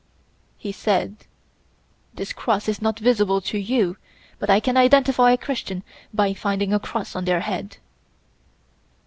He said, 'This cross is not visible to you, but I can identify a Christian by finding a cross on the head.'